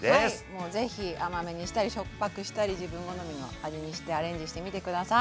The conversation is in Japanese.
もう是非甘めにしたりしょっぱくしたり自分好みの味にしてアレンジしてみて下さい！